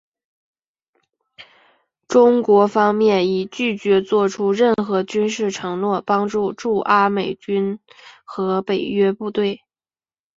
中国方面已拒绝做出任何军事承诺帮助驻阿美军和北约部队。